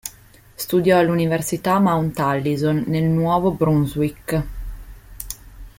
Studiò all'Università Mount Allison, nel Nuovo Brunswick.